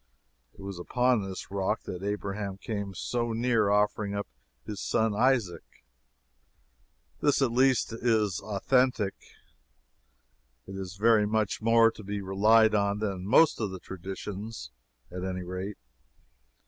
It was upon this rock that Abraham came so near offering up his son Isaac this, at least, is authentic it is very much more to be relied on than most of the traditions, at any rate.